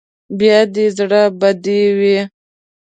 بیا دې زړه بدې وي.